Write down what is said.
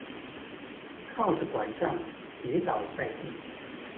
靠著柺杖跌倒在地